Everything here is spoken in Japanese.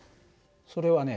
それはね